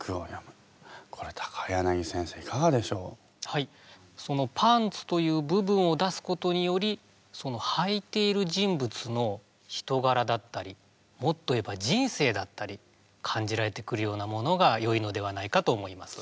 はいそのパンツという部分を出すことによりそのはいている人物の人柄だったりもっと言えば人生だったり感じられてくるようなものがよいのではないかと思います。